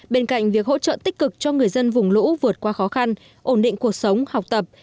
bên cạnh việc hỗ trợ tích cực cho người dân vùng lũ vượt qua khó khăn ổn định cuộc sống học tập